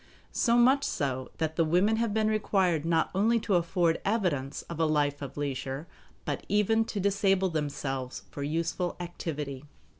So much so that the women have been required not only to afford evidence of a life of leisure, but even to disable themselves for useful activity.